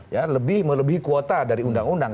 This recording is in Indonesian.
ya lebih melebihi kuota dari undang undang